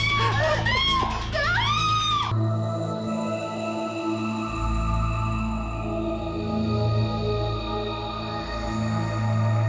tidak tidak mungkin